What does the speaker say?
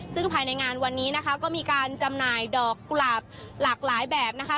ซึ่งภายในงานวันนี้นะคะก็มีการจำหน่ายดอกกุหลาบหลากหลายแบบนะคะ